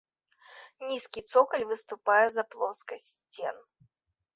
Нізкі цокаль выступае за плоскасць сцен.